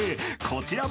こちら。